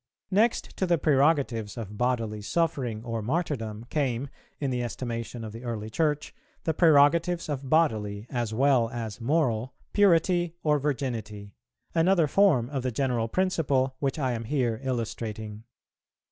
_ Next to the prerogatives of bodily suffering or Martyrdom came, in the estimation of the early Church, the prerogatives of bodily, as well as moral, purity or Virginity; another form of the general principle which I am here illustrating.